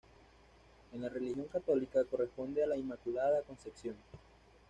En la religión católica corresponde a la Inmaculada Concepción.